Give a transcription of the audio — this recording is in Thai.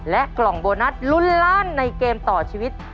กล่องโบนัสลุ้นล้านในเกมต่อชีวิต